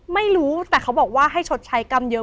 ไม่รู้แต่เขาบอกว่าให้ชดใช้กรรมเยอะ